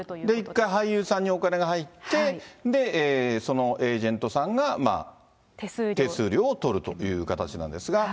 一回俳優さんにお金が入って、で、そのエージェントさんが手数料を取るという形なんですが。